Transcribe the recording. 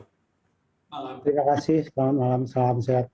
terima kasih selamat malam salam sehat